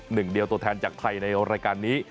หนึ่งเดียวตัวแทนจากไทยในรายการนี้